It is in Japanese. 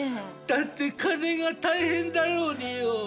だって金が大変だろうによ。